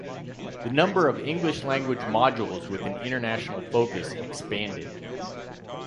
The number of English-language modules with an international focus expanded.